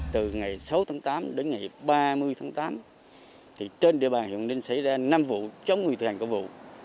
từ ngày sáu tháng tám đến ngày ba mươi tháng tám trên địa bàn hiệu ninh xảy ra năm vụ chống người thi hành công vụ